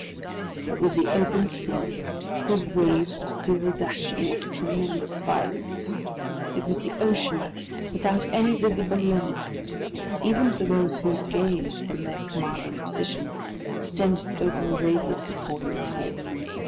It was the open sea, whose waves were still dashing with tremendous violence! It was the ocean, without any visible limits, even for those whose gaze, from their commanding position, extended over a radius of forty miles.